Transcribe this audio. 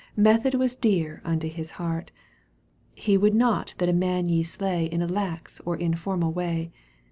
Method was dear unto his heart He would not that a man ye slay In a lax or informal way.